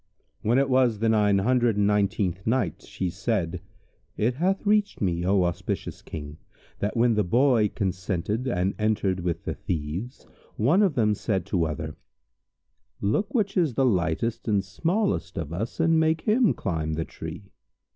When it was the Nine Hundred and Nineteenth Night, She said, It hath reached me, O auspicious King, that when the Boy consented and entered with the Thieves, one of them said to other "Look which is the lightest and smallest of us and make him climb the tree."